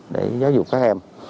để giáo dục các em